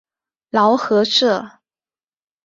劳合社。